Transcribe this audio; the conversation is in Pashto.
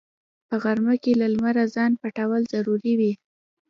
په غرمه کې له لمره ځان پټول ضروري وي